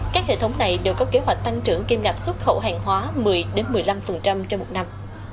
các hệ thống này đều có kế hoạch tăng trưởng kiên ngạp xuất khẩu hàng hóa một mươi một mươi năm trên một năm